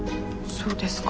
そうですか。